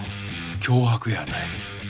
脅迫やない。